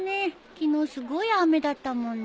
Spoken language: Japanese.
昨日すごい雨だったもんね。